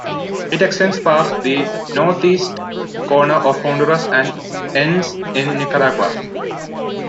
It extends past the north-east corner of Honduras and ends in Nicaragua.